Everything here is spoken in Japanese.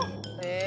え。